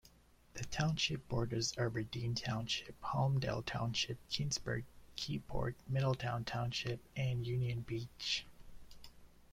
The township borders Aberdeen Township, Holmdel Township, Keansburg, Keyport, Middletown Township and Union Beach.